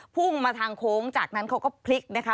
พุ่งมาทางโค้งจากนั้นเขาก็พลิกนะคะ